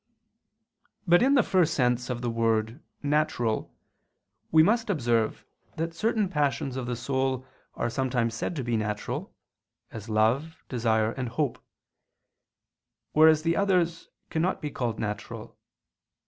But in the first sense of the word "natural," we must observe that certain passions of the soul are sometimes said to be natural, as love, desire, and hope; whereas the others cannot be called natural.